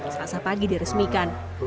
saat pagi diresmikan